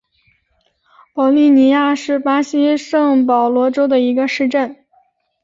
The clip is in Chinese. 保利尼亚是巴西圣保罗州的一个市镇。